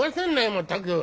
まったく。